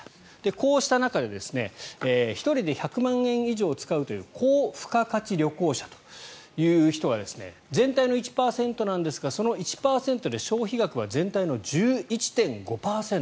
こうした中で、１人で１００万円以上使うという高付加価値旅行者という人は全体の１％なんですがその１％で消費額は全体の１１．５％。